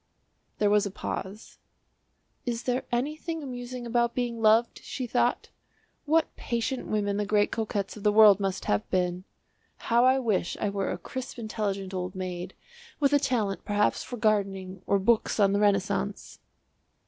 There was a pause. "Is there anything amusing about being loved?" she thought; "what patient women the great coquettes of the world must have been! How I wish I were a crisp intelligent old maid, with a talent perhaps for gardening or books on the Renaissance!"